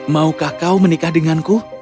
maukah kau menikah denganku